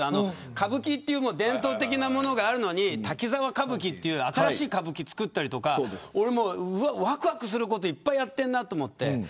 歌舞伎という伝統的なものがあるのに滝沢歌舞伎という新しいのをつくったりとかわくわくすることいっぱいやってるなと思って。